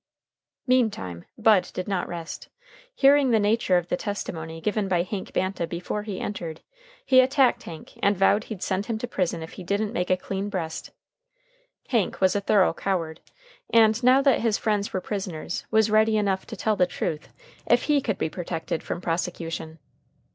Meantime Bud did not rest. Hearing the nature of the testimony given by Hank Banta before he entered, he attacked Hank and vowed he'd send him to prison if he didn't make a clean breast. Hank was a thorough coward, and, now that his friends were prisoners, was ready enough to tell the truth if he could be protected from prosecution.